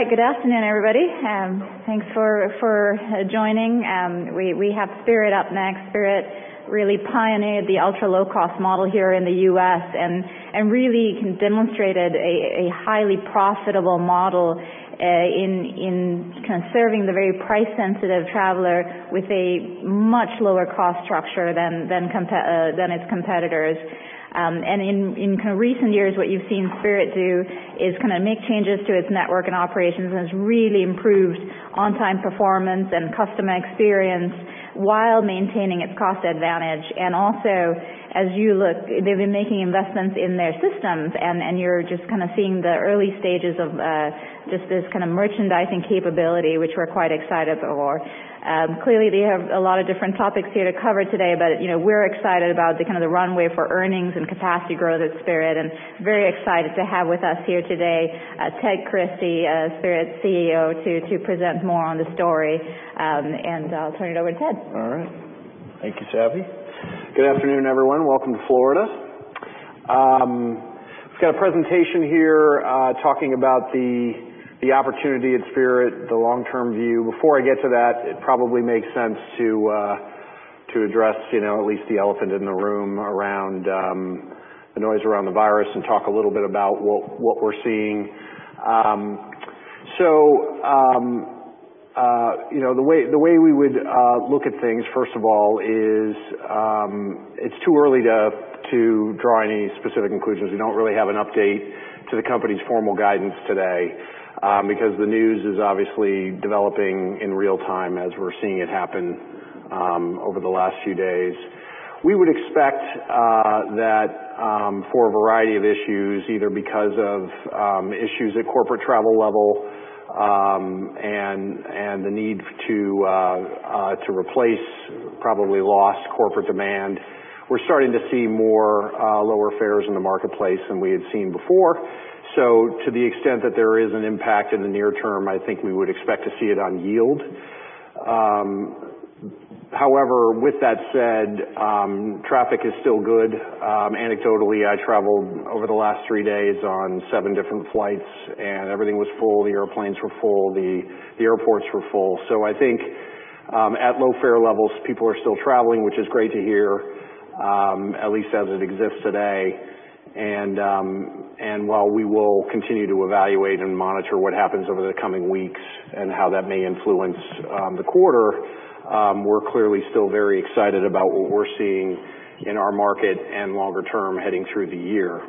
All right, good afternoon, everybody. Thanks for joining. We have Spirit up next. Spirit really pioneered the ultra-low-cost model here in the U.S. and really demonstrated a highly profitable model in kind of serving the very price-sensitive traveler with a much lower cost structure than its competitors. In kind of recent years, what you've seen Spirit do is kind of make changes to its network and operations and has really improved on-time performance and customer experience while maintaining its cost advantage. Also, as you look, they've been making investments in their systems, and you're just kind of seeing the early stages of just this kind of merchandising capability, which we're quite excited for. Clearly, they have a lot of different topics here to cover today, but we're excited about the kind of the runway for earnings and capacity growth at Spirit. Very excited to have with us here today Ted Christie, Spirit's CEO, to present more on the story. I'll turn it over to Ted. All right. Thank you, Savvi. Good afternoon, everyone. Welcome to Florida. We've got a presentation here talking about the opportunity at Spirit, the long-term view. Before I get to that, it probably makes sense to address at least the elephant in the room around the noise around the virus and talk a little bit about what we're seeing. The way we would look at things, first of all, is it's too early to draw any specific conclusions. We don't really have an update to the company's formal guidance today because the news is obviously developing in real time as we're seeing it happen over the last few days. We would expect that for a variety of issues, either because of issues at corporate travel level and the need to replace probably lost corporate demand, we're starting to see more lower fares in the marketplace than we had seen before. To the extent that there is an impact in the near term, I think we would expect to see it on yield. However, with that said, traffic is still good. Anecdotally, I traveled over the last three days on seven different flights, and everything was full. The airplanes were full. The airports were full. I think at low fare levels, people are still traveling, which is great to hear, at least as it exists today. While we will continue to evaluate and monitor what happens over the coming weeks and how that may influence the quarter, we're clearly still very excited about what we're seeing in our market and longer term heading through the year.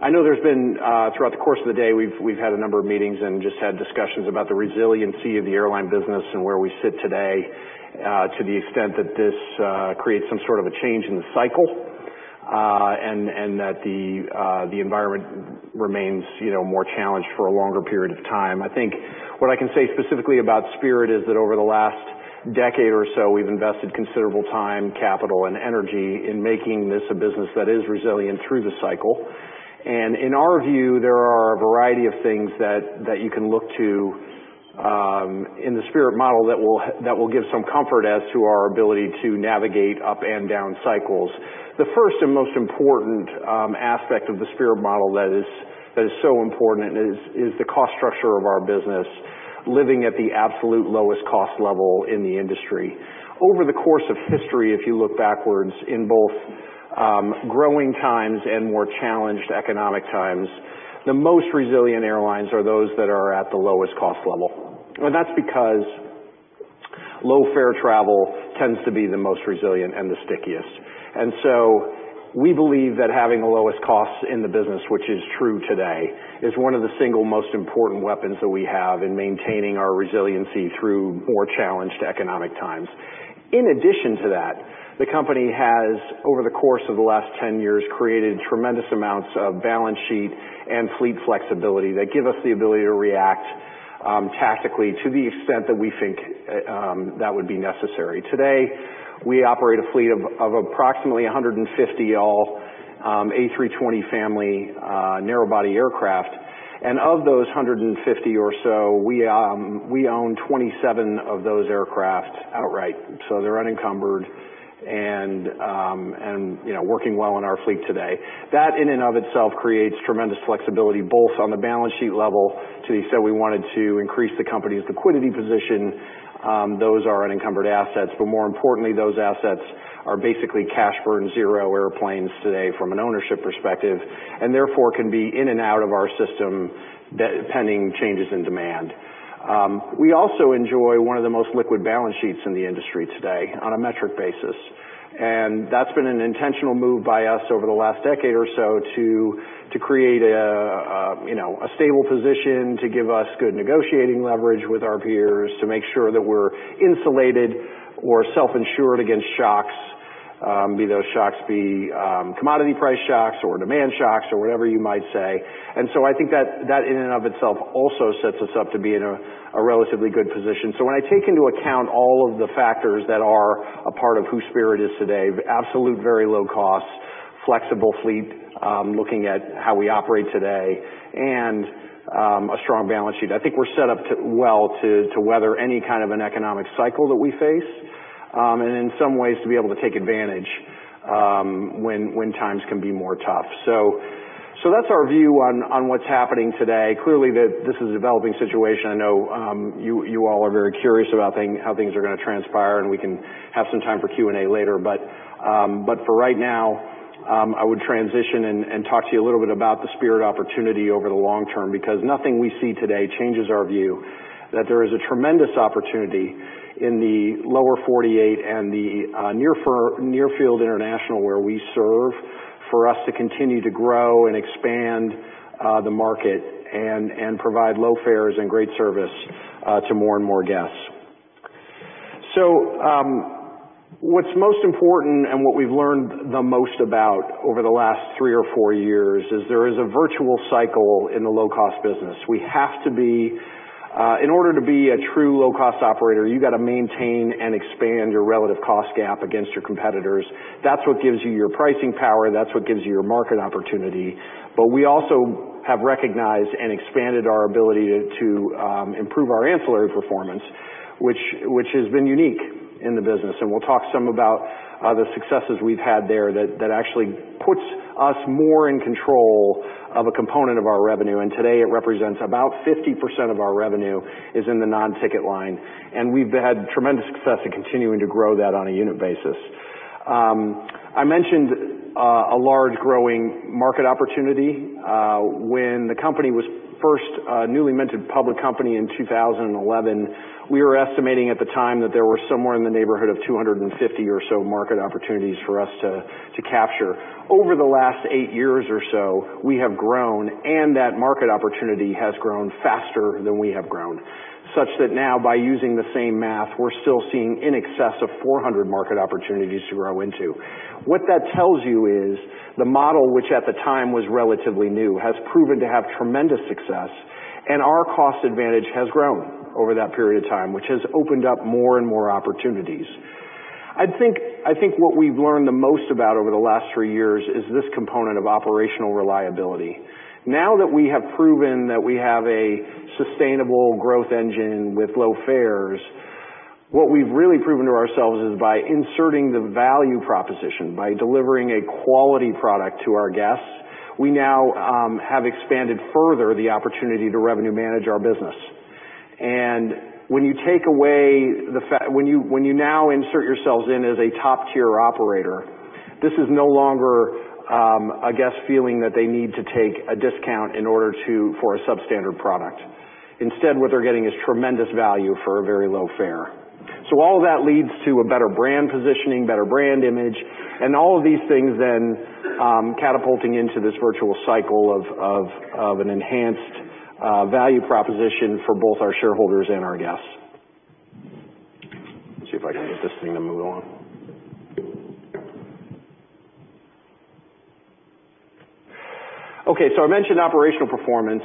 I know there's been, throughout the course of the day, we've had a number of meetings and just had discussions about the resiliency of the airline business and where we sit today to the extent that this creates some sort of a change in the cycle and that the environment remains more challenged for a longer period of time. I think what I can say specifically about Spirit is that over the last decade or so, we've invested considerable time, capital, and energy in making this a business that is resilient through the cycle. In our view, there are a variety of things that you can look to in the Spirit model that will give some comfort as to our ability to navigate up and down cycles. The first and most important aspect of the Spirit model that is so important is the cost structure of our business, living at the absolute lowest cost level in the industry. Over the course of history, if you look backwards in both growing times and more challenged economic times, the most resilient airlines are those that are at the lowest cost level. That is because low fare travel tends to be the most resilient and the stickiest. We believe that having the lowest costs in the business, which is true today, is one of the single most important weapons that we have in maintaining our resiliency through more challenged economic times. In addition to that, the company has, over the course of the last 10 years, created tremendous amounts of balance sheet and fleet flexibility that give us the ability to react tactically to the extent that we think that would be necessary. Today, we operate a fleet of approximately 150 all A320 family narrowbody aircraft. Of those 150 or so, we own 27 of those aircraft outright. They are unencumbered and working well in our fleet today. That, in and of itself, creates tremendous flexibility both on the balance sheet level to the extent we wanted to increase the company's liquidity position. Those are unencumbered assets. More importantly, those assets are basically cash burn zero airplanes today from an ownership perspective and therefore can be in and out of our system pending changes in demand. We also enjoy one of the most liquid balance sheets in the industry today on a metric basis. That has been an intentional move by us over the last decade or so to create a stable position to give us good negotiating leverage with our peers to make sure that we are insulated or self-insured against shocks, be those shocks be commodity price shocks or demand shocks or whatever you might say. I think that, in and of itself, also sets us up to be in a relatively good position. When I take into account all of the factors that are a part of who Spirit is today, absolute very low cost, flexible fleet looking at how we operate today, and a strong balance sheet, I think we're set up well to weather any kind of an economic cycle that we face and in some ways to be able to take advantage when times can be more tough. That's our view on what's happening today. Clearly, this is a developing situation. I know you all are very curious about how things are going to transpire, and we can have some time for Q&A later. For right now, I would transition and talk to you a little bit about the Spirit opportunity over the long term because nothing we see today changes our view that there is a tremendous opportunity in the lower 48 and the near-field international where we serve for us to continue to grow and expand the market and provide low fares and great service to more and more guests. What's most important and what we've learned the most about over the last three or four years is there is a virtuous cycle in the low-cost business. We have to be, in order to be a true low-cost operator, you've got to maintain and expand your relative cost gap against your competitors. That's what gives you your pricing power. That's what gives you your market opportunity. We also have recognized and expanded our ability to improve our ancillary performance, which has been unique in the business. We'll talk some about the successes we've had there that actually puts us more in control of a component of our revenue. Today, it represents about 50% of our revenue is in the non-ticket line. We've had tremendous success in continuing to grow that on a unit basis. I mentioned a large growing market opportunity. When the company was first a newly minted public company in 2011, we were estimating at the time that there were somewhere in the neighborhood of 250 or so market opportunities for us to capture. Over the last eight years or so, we have grown, and that market opportunity has grown faster than we have grown, such that now, by using the same math, we're still seeing in excess of 400 market opportunities to grow into. What that tells you is the model, which at the time was relatively new, has proven to have tremendous success, and our cost advantage has grown over that period of time, which has opened up more and more opportunities. I think what we've learned the most about over the last three years is this component of operational reliability. Now that we have proven that we have a sustainable growth engine with low fares, what we've really proven to ourselves is by inserting the value proposition, by delivering a quality product to our guests, we now have expanded further the opportunity to revenue manage our business. When you take away the fact when you now insert yourselves in as a top-tier operator, this is no longer a guest feeling that they need to take a discount in order for a substandard product. Instead, what they're getting is tremendous value for a very low fare. All of that leads to a better brand positioning, better brand image, and all of these things then catapulting into this virtual cycle of an enhanced value proposition for both our shareholders and our guests. See if I can get this thing to move along. Okay, I mentioned operational performance.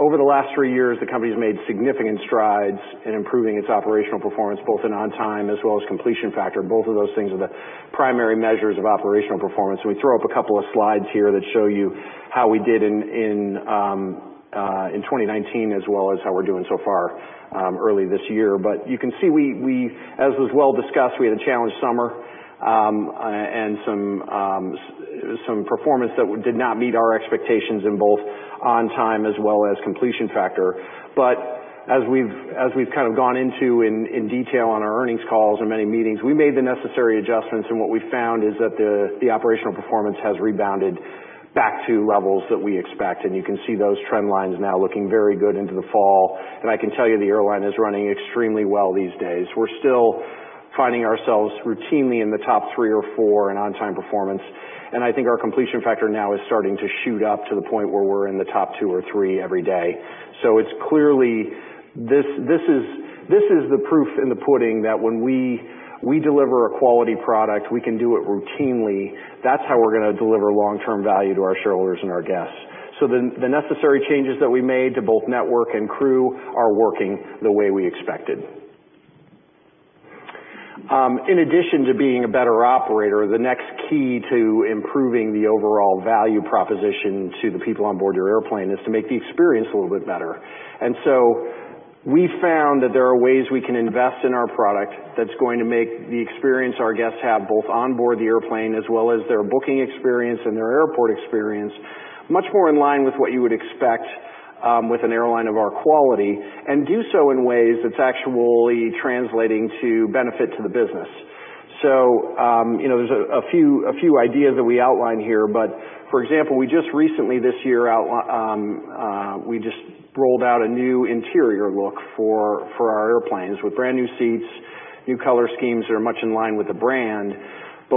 Over the last three years, the company has made significant strides in improving its operational performance, both in on-time as well as completion factor. Both of those things are the primary measures of operational performance. We throw up a couple of slides here that show you how we did in 2019 as well as how we're doing so far early this year. You can see we, as was well discussed, had a challenge summer and some performance that did not meet our expectations in both on-time as well as completion factor. As we've kind of gone into in detail on our earnings calls and many meetings, we made the necessary adjustments. What we found is that the operational performance has rebounded back to levels that we expect. You can see those trend lines now looking very good into the fall. I can tell you the airline is running extremely well these days. We're still finding ourselves routinely in the top three or four in on-time performance. I think our completion factor now is starting to shoot up to the point where we're in the top two or three every day. It is clearly the proof in the pudding that when we deliver a quality product, we can do it routinely. That is how we're going to deliver long-term value to our shareholders and our guests. The necessary changes that we made to both network and crew are working the way we expected. In addition to being a better operator, the next key to improving the overall value proposition to the people on board your airplane is to make the experience a little bit better. We found that there are ways we can invest in our product that's going to make the experience our guests have both on board the airplane as well as their booking experience and their airport experience much more in line with what you would expect with an airline of our quality and do so in ways that's actually translating to benefit to the business. There are a few ideas that we outline here. For example, we just recently this year rolled out a new interior look for our airplanes with brand new seats, new color schemes that are much in line with the brand.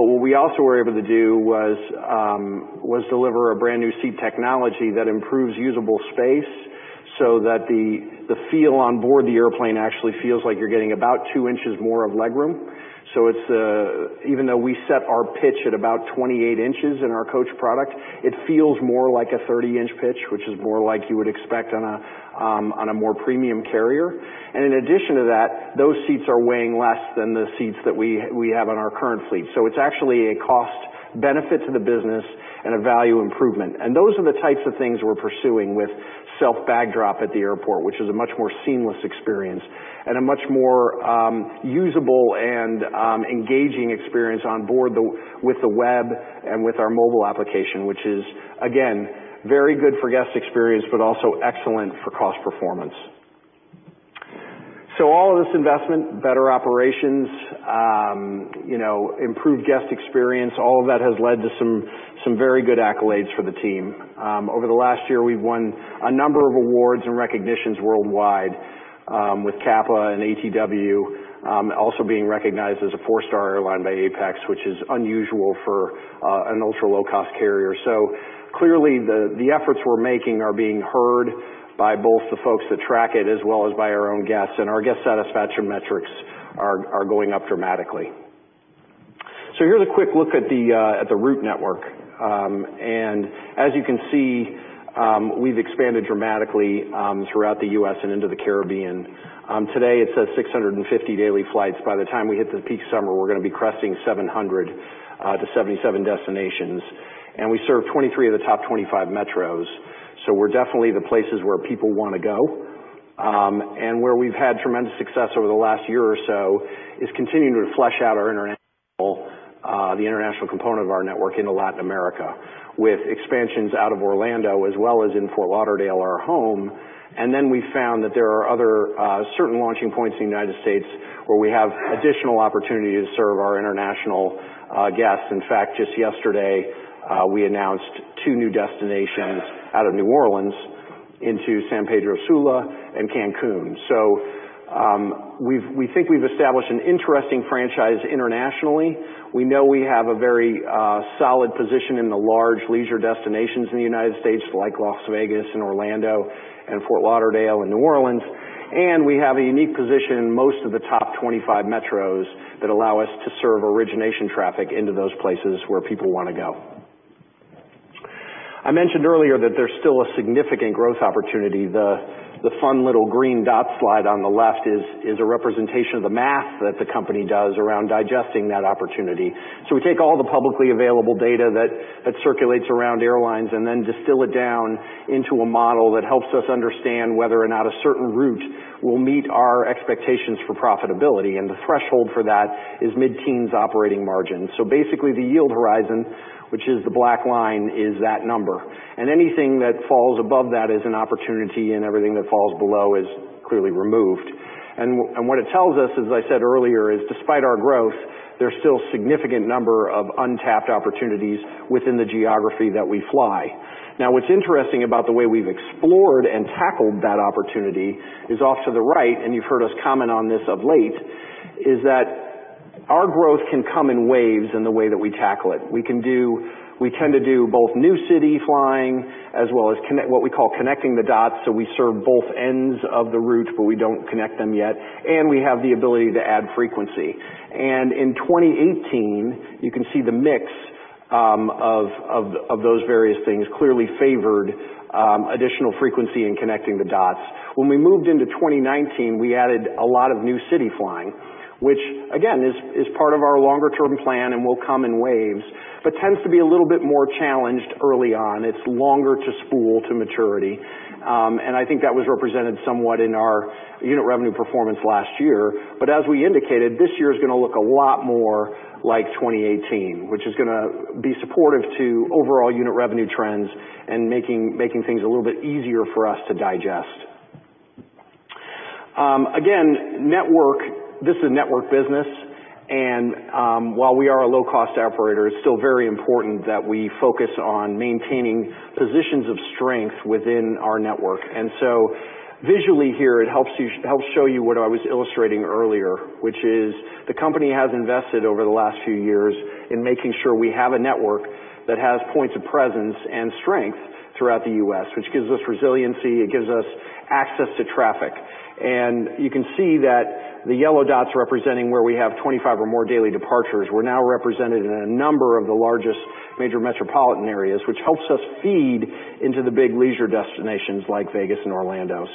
What we also were able to do was deliver a brand new seat technology that improves usable space so that the feel on board the airplane actually feels like you're getting about 2 inches more of leg room. Even though we set our pitch at about 28 inches in our coach product, it feels more like a 30-inch pitch, which is more like you would expect on a more premium carrier. In addition to that, those seats are weighing less than the seats that we have on our current fleet. It is actually a cost benefit to the business and a value improvement. Those are the types of things we are pursuing with self-bag drop at the airport, which is a much more seamless experience and a much more usable and engaging experience on board with the web and with our mobile application, which is, again, very good for guest experience, but also excellent for cost performance. All of this investment, better operations, improved guest experience, all of that has led to some very good accolades for the team. Over the last year, we've won a number of awards and recognitions worldwide with CAPA and ATW, also being recognized as a four-star airline by APEX, which is unusual for an ultra-low-cost carrier. Clearly, the efforts we're making are being heard by both the folks that track it as well as by our own guests. Our guest satisfaction metrics are going up dramatically. Here's a quick look at the route network. As you can see, we've expanded dramatically throughout the U.S. and into the Caribbean. Today, it's 650 daily flights. By the time we hit the peak summer, we're going to be cresting 700 to 77 destinations. We serve 23 of the top 25 metros. We're definitely the places where people want to go. Where we've had tremendous success over the last year or so is continuing to flesh out the international component of our network into Latin America with expansions out of Orlando as well as in Fort Lauderdale, our home. We found that there are other certain launching points in the United States where we have additional opportunity to serve our international guests. In fact, just yesterday, we announced two new destinations out of New Orleans into San Pedro Sula and Cancun. We think we've established an interesting franchise internationally. We know we have a very solid position in the large leisure destinations in the United States like Las Vegas and Orlando and Fort Lauderdale and New Orleans. We have a unique position in most of the top 25 metros that allow us to serve origination traffic into those places where people want to go. I mentioned earlier that there's still a significant growth opportunity. The fun little green dot slide on the left is a representation of the math that the company does around digesting that opportunity. We take all the publicly available data that circulates around airlines and then distill it down into a model that helps us understand whether or not a certain route will meet our expectations for profitability. The threshold for that is mid-teens operating margins. Basically, the yield horizon, which is the black line, is that number. Anything that falls above that is an opportunity, and everything that falls below is clearly removed. What it tells us, as I said earlier, is despite our growth, there's still a significant number of untapped opportunities within the geography that we fly. Now, what's interesting about the way we've explored and tackled that opportunity is off to the right, and you've heard us comment on this of late, is that our growth can come in waves in the way that we tackle it. We tend to do both new city flying as well as what we call connecting the dots. We serve both ends of the route, but we don't connect them yet. We have the ability to add frequency. In 2018, you can see the mix of those various things clearly favored additional frequency in connecting the dots. When we moved into 2019, we added a lot of new city flying, which, again, is part of our longer-term plan and will come in waves, but tends to be a little bit more challenged early on. It's longer to spool to maturity. I think that was represented somewhat in our unit revenue performance last year. As we indicated, this year is going to look a lot more like 2018, which is going to be supportive to overall unit revenue trends and making things a little bit easier for us to digest. This is a network business. While we are a low-cost operator, it is still very important that we focus on maintaining positions of strength within our network. Visually here, it helps show you what I was illustrating earlier, which is the company has invested over the last few years in making sure we have a network that has points of presence and strength throughout the U.S., which gives us resiliency. It gives us access to traffic. You can see that the yellow dots represent where we have 25 or more daily departures. We're now represented in a number of the largest major metropolitan areas, which helps us feed into the big leisure destinations like Vegas and Orlando.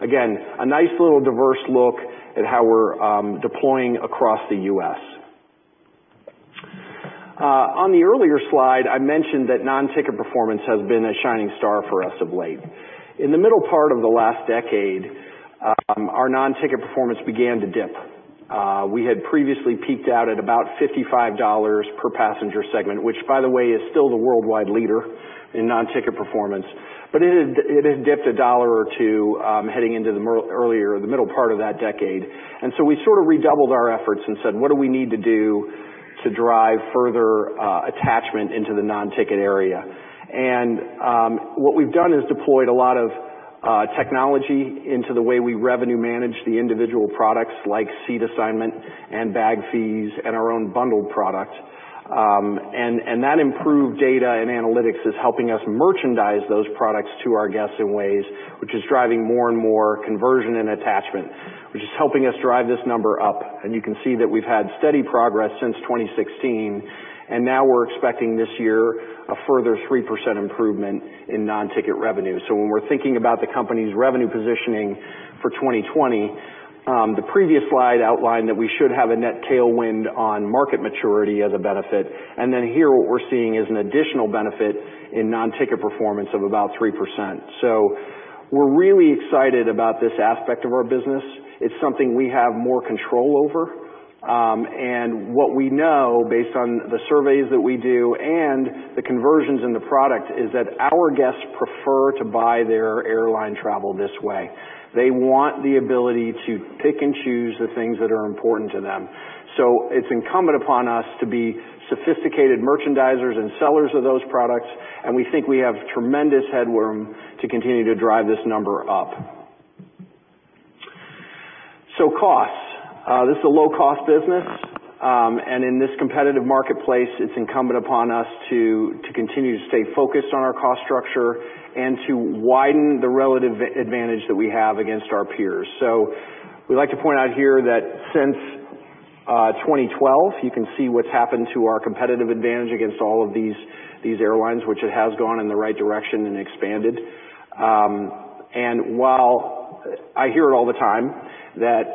Again, a nice little diverse look at how we're deploying across the US. On the earlier slide, I mentioned that non-ticket performance has been a shining star for us of late. In the middle part of the last decade, our non-ticket performance began to dip. We had previously peaked out at about $55 per passenger segment, which, by the way, is still the worldwide leader in non-ticket performance. It had dipped a dollar or two heading into the middle part of that decade. We sort of redoubled our efforts and said, "What do we need to do to drive further attachment into the non-ticket area?" What we've done is deployed a lot of technology into the way we revenue manage the individual products like seat assignment and bag fees and our own bundled product. That improved data and analytics is helping us merchandise those products to our guests in ways, which is driving more and more conversion and attachment, which is helping us drive this number up. You can see that we've had steady progress since 2016. Now we're expecting this year a further 3% improvement in non-ticket revenue. When we're thinking about the company's revenue positioning for 2020, the previous slide outlined that we should have a net tailwind on market maturity as a benefit. Here, what we're seeing is an additional benefit in non-ticket performance of about 3%. We're really excited about this aspect of our business. It's something we have more control over. What we know based on the surveys that we do and the conversions in the product is that our guests prefer to buy their airline travel this way. They want the ability to pick and choose the things that are important to them. It's incumbent upon us to be sophisticated merchandisers and sellers of those products. We think we have tremendous headroom to continue to drive this number up. Costs. This is a low-cost business. In this competitive marketplace, it's incumbent upon us to continue to stay focused on our cost structure and to widen the relative advantage that we have against our peers. We'd like to point out here that since 2012, you can see what's happened to our competitive advantage against all of these airlines, which has gone in the right direction and expanded. While I hear it all the time that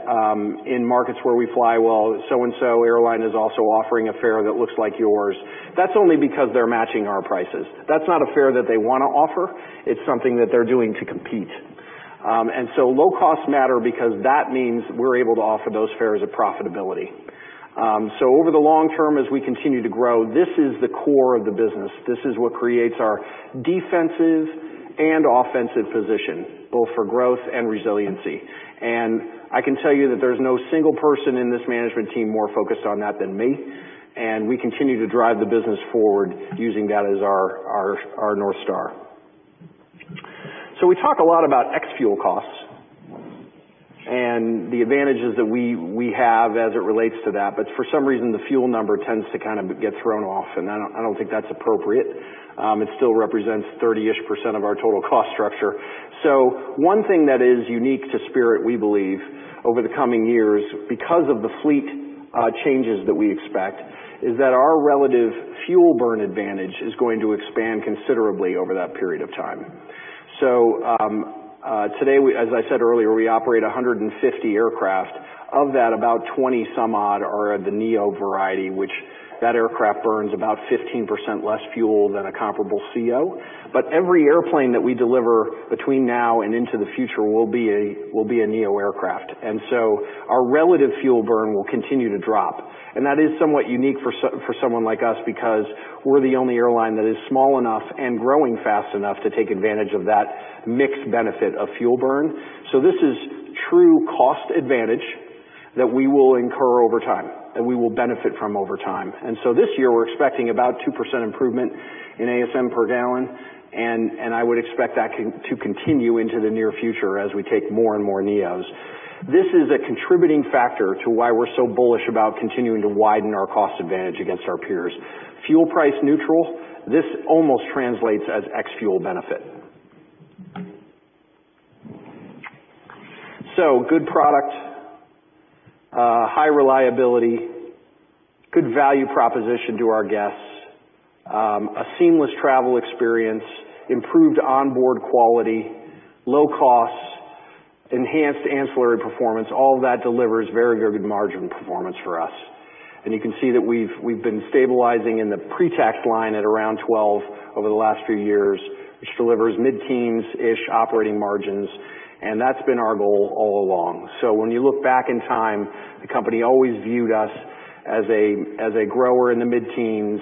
in markets where we fly, "Well, so-and-so airline is also offering a fare that looks like yours," that's only because they're matching our prices. That's not a fare that they want to offer. It's something that they're doing to compete. Low costs matter because that means we're able to offer those fares at profitability. Over the long term, as we continue to grow, this is the core of the business. This is what creates our defensive and offensive position, both for growth and resiliency. I can tell you that there's no single person in this management team more focused on that than me. We continue to drive the business forward using that as our North Star. We talk a lot about ex-fuel costs and the advantages that we have as it relates to that. For some reason, the fuel number tends to kind of get thrown off. I do not think that is appropriate. It still represents 30% of our total cost structure. One thing that is unique to Spirit, we believe, over the coming years, because of the fleet changes that we expect, is that our relative fuel burn advantage is going to expand considerably over that period of time. Today, as I said earlier, we operate 150 aircraft. Of that, about 20 some odd are of the Neo variety, which that aircraft burns about 15% less fuel than a comparable CO. Every airplane that we deliver between now and into the future will be a Neo aircraft. Our relative fuel burn will continue to drop. That is somewhat unique for someone like us because we're the only airline that is small enough and growing fast enough to take advantage of that mixed benefit of fuel burn. This is true cost advantage that we will incur over time and we will benefit from over time. This year, we're expecting about 2% improvement in ASM per gallon. I would expect that to continue into the near future as we take more and more Neos. This is a contributing factor to why we're so bullish about continuing to widen our cost advantage against our peers. Fuel price neutral, this almost translates as ex-fuel benefit. Good product, high reliability, good value proposition to our guests, a seamless travel experience, improved onboard quality, low costs, enhanced ancillary performance, all of that delivers very good margin performance for us. You can see that we've been stabilizing in the pre-tax line at around 12 over the last few years, which delivers mid-teens-ish operating margins. That's been our goal all along. When you look back in time, the company always viewed us as a grower in the mid-teens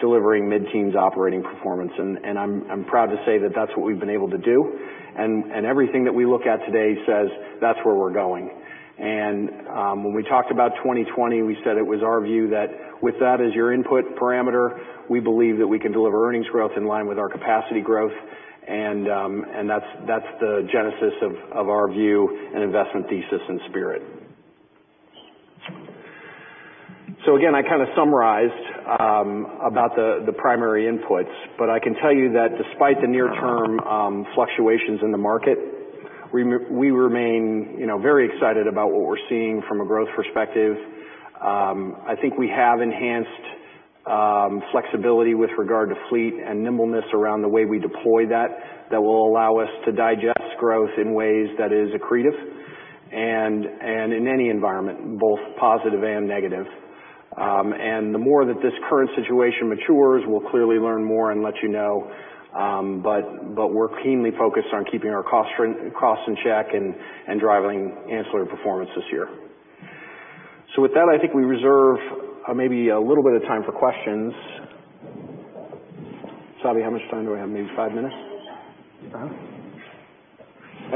delivering mid-teens operating performance. I'm proud to say that that's what we've been able to do. Everything that we look at today says that's where we're going. When we talked about 2020, we said it was our view that with that as your input parameter, we believe that we can deliver earnings growth in line with our capacity growth. That's the genesis of our view and investment thesis in Spirit. I kind of summarized the primary inputs. I can tell you that despite the near-term fluctuations in the market, we remain very excited about what we're seeing from a growth perspective. I think we have enhanced flexibility with regard to fleet and nimbleness around the way we deploy that, that will allow us to digest growth in ways that is accretive and in any environment, both positive and negative. The more that this current situation matures, we'll clearly learn more and let you know. We're keenly focused on keeping our costs in check and driving ancillary performance this year. With that, I think we reserve maybe a little bit of time for questions. Savvi, how much time do I have? Maybe five minutes?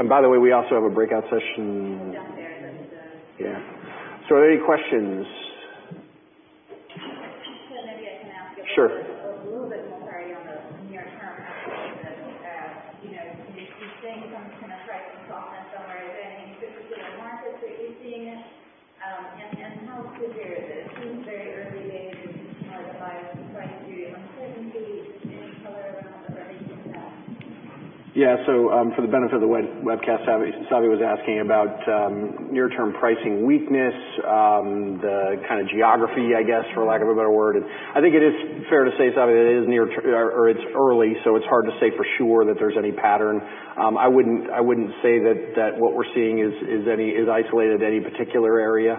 By the way, we also have a breakout session. Yeah. Are there any questions? Maybe I can ask a little bit more clarity on the near-term aspect of it. You're seeing some kind of pricing softness somewhere. Is there any specific markets that you're seeing it? How severe is it? It seems very early days of the market bias in price due to uncertainty. Is there any color around the relation to that? Yeah. For the benefit of the webcast, Savvi was asking about near-term pricing weakness, the kind of geography, I guess, for lack of a better word. I think it is fair to say, Savvi, that it is near or it's early, so it's hard to say for sure that there's any pattern. I wouldn't say that what we're seeing is isolated to any particular area.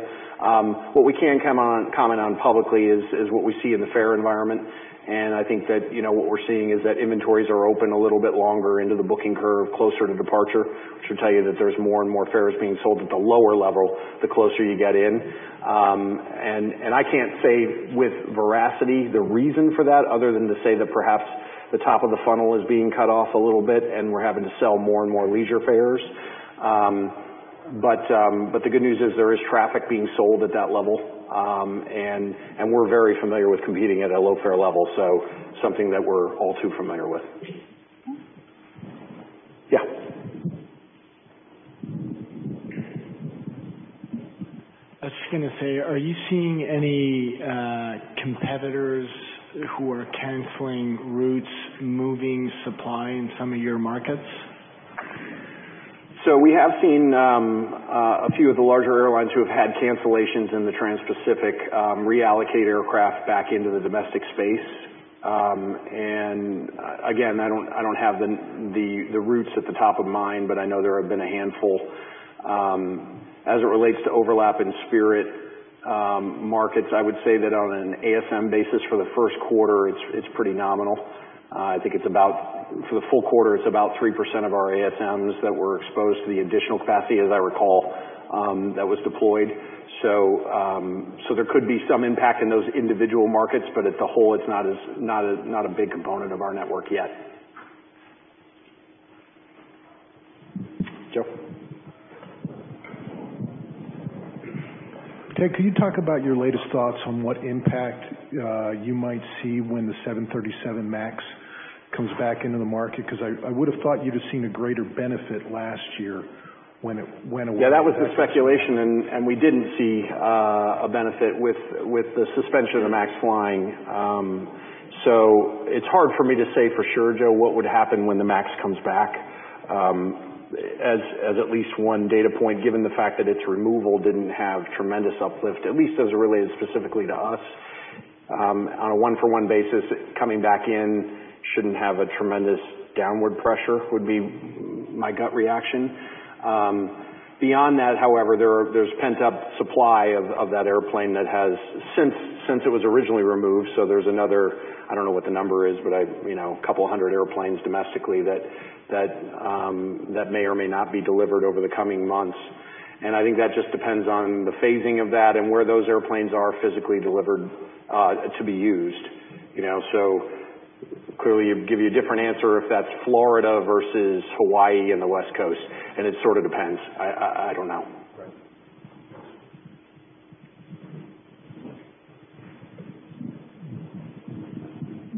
What we can comment on publicly is what we see in the fare environment. I think that what we're seeing is that inventories are open a little bit longer into the booking curve, closer to departure, which would tell you that there's more and more fares being sold at the lower level the closer you get in. I can't say with veracity the reason for that other than to say that perhaps the top of the funnel is being cut off a little bit and we're having to sell more and more leisure fares. The good news is there is traffic being sold at that level. We're very familiar with competing at a low fare level, so something that we're all too familiar with. Yeah. I was just going to say, are you seeing any competitors who are canceling routes, moving supply in some of your markets? We have seen a few of the larger airlines who have had cancellations in the Trans Pacific reallocate aircraft back into the domestic space. I do not have the routes at the top of mind, but I know there have been a handful. As it relates to overlap in Spirit markets, I would say that on an ASM basis for the first quarter, it is pretty nominal. I think for the full quarter, it is about 3% of our ASMs that were exposed to the additional capacity, as I recall, that was deployed. There could be some impact in those individual markets, but as a whole, it is not a big component of our network yet. Joe. Okay. Could you talk about your latest thoughts on what impact you might see when the 737 MAX comes back into the market? Because I would have thought you'd have seen a greater benefit last year when it went away. Yeah. That was the speculation. We didn't see a benefit with the suspension of the MAX flying. It's hard for me to say for sure, Joe, what would happen when the MAX comes back as at least one data point, given the fact that its removal didn't have tremendous uplift, at least as it related specifically to us. On a one-for-one basis, coming back in shouldn't have a tremendous downward pressure would be my gut reaction. Beyond that, however, there's pent-up supply of that airplane that has since it was originally removed. There is another—I do not know what the number is, but a couple hundred airplanes domestically that may or may not be delivered over the coming months. I think that just depends on the phasing of that and where those airplanes are physically delivered to be used. Clearly, you get a different answer if that is Florida versus Hawaii and the West Coast. It sort of depends. I do not know.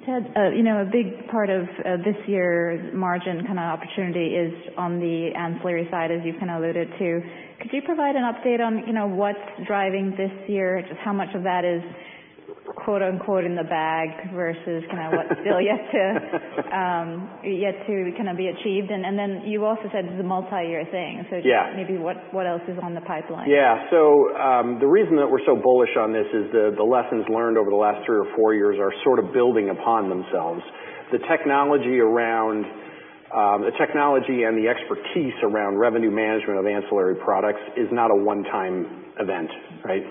Ted, a big part of this year's margin kind of opportunity is on the ancillary side, as you have kind of alluded to. Could you provide an update on what is driving this year, just how much of that is "in the bag" versus kind of what is still yet to kind of be achieved? You also said it is a multi-year thing. Maybe what else is in the pipeline? Yeah. The reason that we're so bullish on this is the lessons learned over the last three or four years are sort of building upon themselves. The technology around the technology and the expertise around revenue management of ancillary products is not a one-time event, right?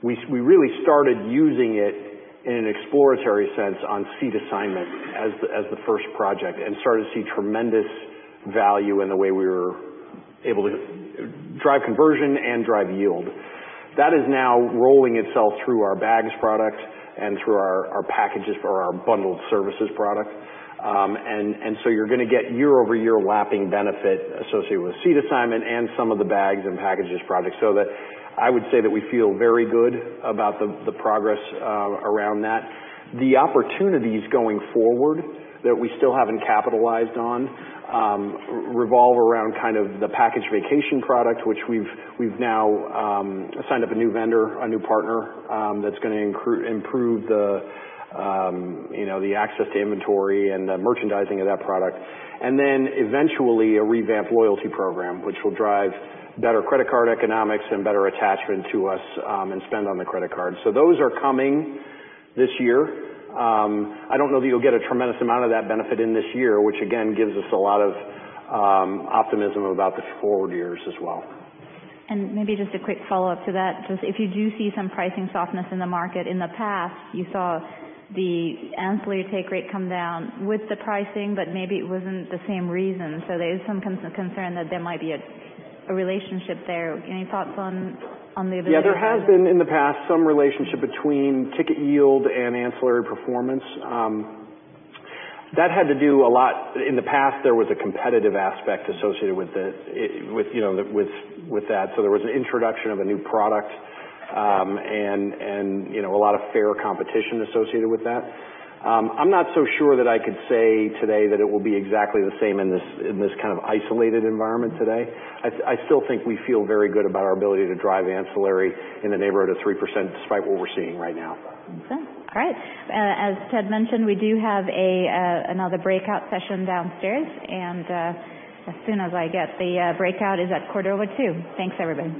We really started using it in an exploratory sense on seat assignment as the first project and started to see tremendous value in the way we were able to drive conversion and drive yield. That is now rolling itself through our bags product and through our packages or our bundled services product. You are going to get year-over-year lapping benefit associated with seat assignment and some of the bags and packages project. I would say that we feel very good about the progress around that. The opportunities going forward that we still haven't capitalized on revolve around kind of the package vacation product, which we've now signed up a new vendor, a new partner that's going to improve the access to inventory and the merchandising of that product. Eventually, a revamped loyalty program, which will drive better credit card economics and better attachment to us and spend on the credit card. Those are coming this year. I don't know that you'll get a tremendous amount of that benefit in this year, which again gives us a lot of optimism about the forward years as well. Maybe just a quick follow-up to that. If you do see some pricing softness in the market, in the past, you saw the ancillary take rate come down with the pricing, but maybe it wasn't the same reason. There is some concern that there might be a relationship there. Any thoughts on the ability? Yeah. There has been in the past some relationship between ticket yield and ancillary performance. That had to do a lot in the past. There was a competitive aspect associated with that. There was an introduction of a new product and a lot of fare competition associated with that. I'm not so sure that I could say today that it will be exactly the same in this kind of isolated environment today. I still think we feel very good about our ability to drive ancillary in the neighborhood of 3% despite what we're seeing right now. All right. As Ted mentioned, we do have another breakout session downstairs. As soon as I get the breakout, it is at quarter over two. Thanks, everybody.